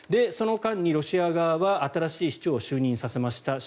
その間にロシア側は新しい市長を就任させました。